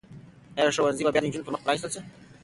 آیا ښوونځي به بیا د نجونو پر مخ پرانیستل شي؟